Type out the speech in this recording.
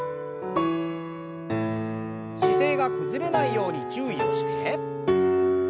姿勢が崩れないように注意をして。